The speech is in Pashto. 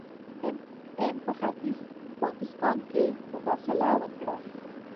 هند په ختیځ پاکستان کې مداخله وکړه.